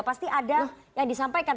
pasti ada yang disampaikan